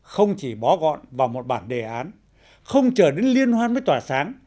không chỉ bó gọn vào một bản đề án không chờ đến liên hoan mới tỏa sáng